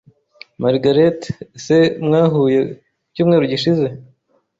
Margaret se mwahuye ku cyumweru gishize?